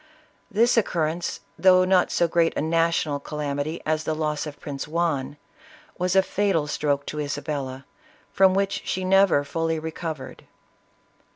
This occurrence, though not so great a national calam ity as the loss of Prince Juan, was a fatal stroke to Isa bella, from which she never fully recovered.